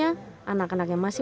tidak akan memudahkan pelanggan